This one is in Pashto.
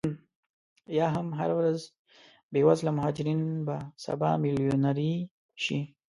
یا هم نن ورځ بې وزله مهاجرین به سبا میلیونرې شي